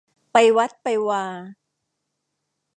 ไปวัดไปวา